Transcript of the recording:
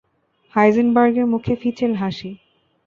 হাইজেনবার্গের মুখে ফিচেল হাসি।